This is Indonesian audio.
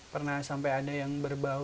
pernah sampai ada yang berbau